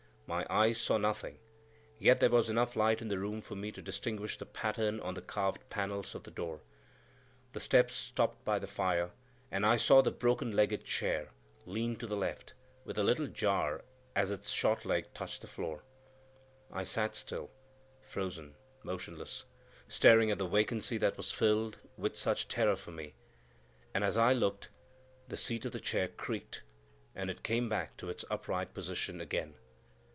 My eyes saw nothing; yet there was enough light in the room for me to distinguish the pattern on the carved panels of the door. The steps stopped by the fire, and I saw the broken legged chair lean to the left, with a little jar as its short leg touched the floor. I sat still, frozen, motionless, staring at the vacancy that was filled with such terror for me; and as I looked, the seat of the chair creaked, and it came back to its upright position again.